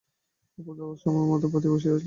অপু দাওয়ায় মাদুর পাতিয়া বসিয়া আছে।